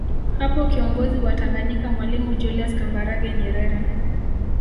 Hapo kiongozi wa Tanganyika Mwalimu Julius Kambarage Nyerere